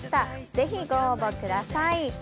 是非、ご応募ください。